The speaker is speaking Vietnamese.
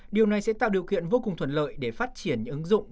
điều này sẽ tạo điều kiện vô cùng thuận lợi để phát triển ứng dụng